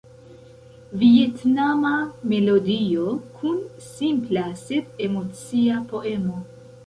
Vjetnama melodio kun simpla, sed emocia poemo.